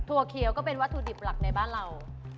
เขียวก็เป็นวัตถุดิบหลักในบ้านเรา